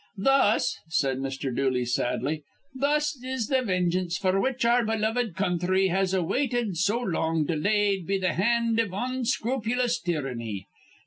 "Thus," said Mr. Dooley, sadly, "thus is th' vengeance f'r which our beloved counthry has awaited so long delayed be th' hand iv onscrupulious tyranny.